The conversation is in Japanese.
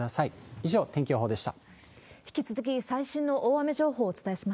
以上、天気予報でした。